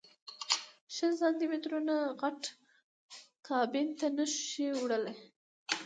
شل سانتي مترو نه غټ کابین ته نه شې وړلی.